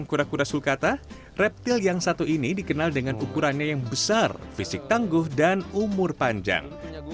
kura kura sulkata reptil yang satu ini dikenal dengan ukurannya yang besar fisik tangguh dan umur panjang